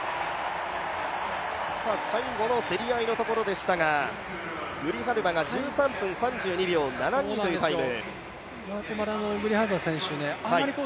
最後の競り合いのところでしたが、グリハルバが１３分３２秒７２というタイム。